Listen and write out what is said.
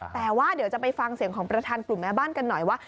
แต่ว่าเดี๋ยวจะไปฟังเสียงของประธานกลุ่มแม่บ้านกันหน่อยว่า